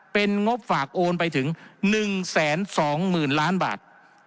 เป็นงบฝากโอนไปถึง๑แสน๒หมื่นล้านบาท